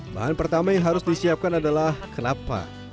bahan pertama yang harus disiapkan adalah kenapa